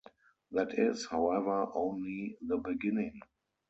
That is, however, only the beginning.